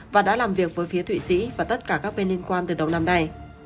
và đã làm việc với phía thụy sĩ và tất cả các bên liên quan từ đầu năm nay